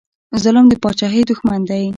ظلم د پاچاهۍ دښمن دی